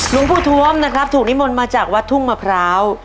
หลวงปู่ทวมนะครับถูกนิมนต์มาจากวัดทุ่งมะพร้าว